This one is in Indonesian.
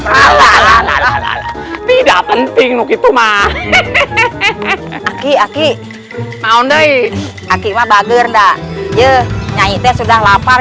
lalala tidak penting begitu mah hehehe aku aku mau nanti aki wabagir ndak ya nyanyi teh sudah lapar